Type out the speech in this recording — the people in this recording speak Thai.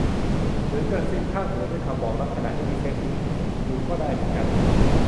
หรือกระซิบข้างหูด้วยคำบอกรักขณะที่มีเซ็กส์ดูก็ได้เหมือนกัน